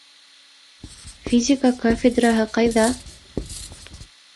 Физика кафедраһы ҡайҙа?